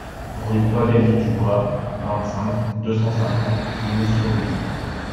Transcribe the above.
Rue Paul Elie Dubois, vingt-cinq, deux cent cinquante L'Isle-sur-le-Doubs